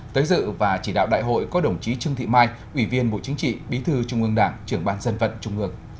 tới dự và chỉ đạo đại hội có đồng chí trương thị mai ủy viên bộ chính trị bí thư trung ương đảng trưởng ban dân vận trung ương